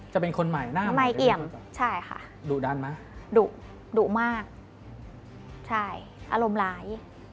จะเป็นคนใหม่หน้าใหม่ไอ่มดุดันมากอารมณ์ร้าย